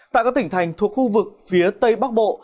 tại các tỉnh thành thuộc khu vực phía tây bắc bộ